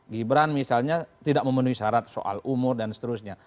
gibran misalnya tidak memenuhi syarat soal umur dan seterusnya